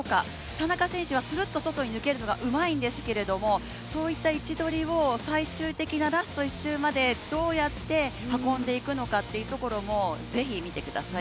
田中選手はするっと外に抜けるのがうまいんですけどそういった位置取りを最終的なラスト１周までどうやって運んでいくのかというところも是非見てください。